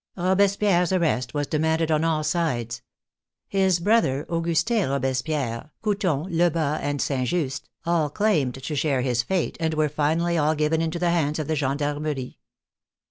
Robespierre's arrest was demanded on all sides. His brother, Augustin Robespierre, Couthon, Lebas and St. Just all claimed to share his fate, and were finally all given into the hands of the gendarmerie.